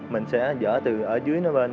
mình sẽ dỡ từ ở dưới đó bên